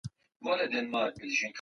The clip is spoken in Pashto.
د قانون نه مراعت د بې نظمي سبب کېږي